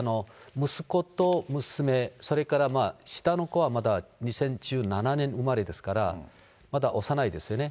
息子と娘、それから下の子は、まだ２０１７年生まれですから、まだ幼いですよね。